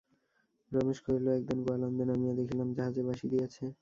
রমেশ কহিল, একদিন গোয়ালন্দে নামিয়া দেখিলাম, জাহাজে বাঁশি দিয়াছে।